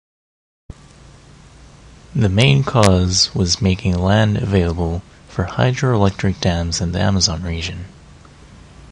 The main cause was making land available for hydroelectric dams in the Amazon region.